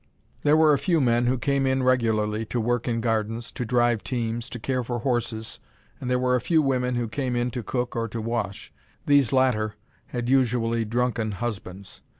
There were a few men who came in regularly to work in gardens, to drive teams, to care for horses, and there were a few women who came in to cook or to wash. These latter had usually drunken husbands.